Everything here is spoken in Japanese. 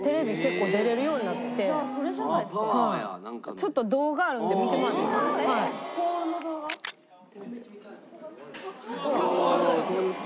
ちょっと動画あるんで見てもらっていいですか？